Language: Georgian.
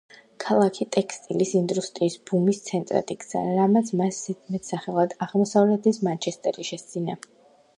ქალაქი ტექსტილის ინდუსტრიის ბუმის ცენტრად იქცა, რამაც მას ზედემტსახელად „აღმოსავლეთის მანჩესტერი“ შესძინა.